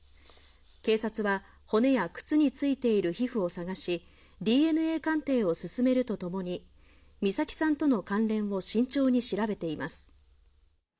警察は骨や靴についている皮膚を探し、ＤＮＡ鑑定を進めるとともに、美咲さんとの関連を慎重に調べています。